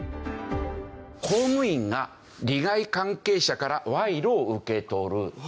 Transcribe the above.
公務員が利害関係者から賄賂を受け取る。